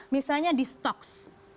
misalnya di stoks